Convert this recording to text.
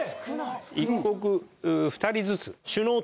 １国２人ずつ。